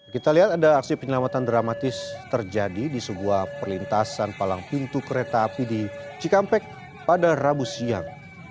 kita lihat ada aksi penyelamatan dramatis terjadi di sebuah perlintasan palang pintu kereta api di cikampek pada rabu siang